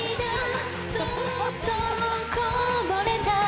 「そっとこぼれた」